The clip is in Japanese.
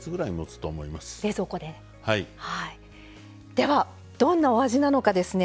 ではどんなお味なのかですね